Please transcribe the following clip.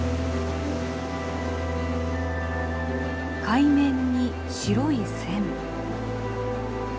海面に白い線。